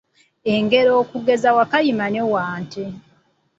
Engero; okugeza: Wakayima ne Wante.